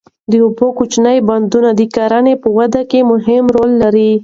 د اوبو کوچني بندونه د کرنې په وده کې مهم رول لري.